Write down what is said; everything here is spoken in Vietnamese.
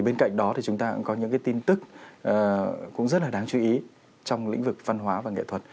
xin kính chào quý vị và các bạn